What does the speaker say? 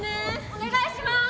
お願いします。